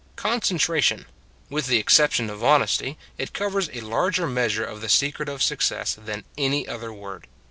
Concentration with the exception of honesty, it covers a larger measure of the secret of success than any other word.